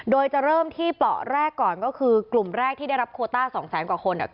โดยจะเริ่มที่เปราะแรกก่อนก็คือกลุ่มแรกที่ได้รับโคต้าสองแสนกว่าคน